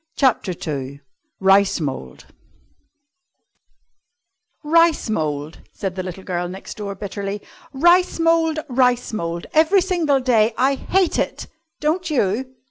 CHAPTER II RICE MOULD "Rice mould," said the little girl next door bitterly. "Rice mould! Rice mould! every single day. I hate it, don't you?"